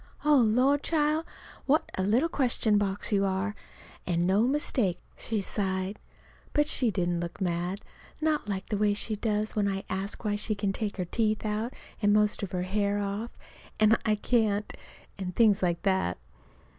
"Oh, la! child, what a little question box you are, an' no mistake," she sighed. But she didn't look mad not like the way she does when I ask why she can take her teeth out and most of her hair off and I can't; and things like that.